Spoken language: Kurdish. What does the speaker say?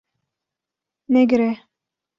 Negire